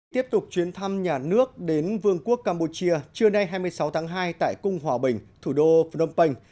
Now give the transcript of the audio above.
tiếp tục chuyến thăm nhà nước đến vương quốc campuchia trưa nay hai mươi sáu tháng hai tại cung hòa bình thủ đô phnom penh